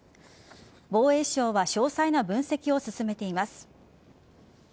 防衛省は詳細な分析を進めています。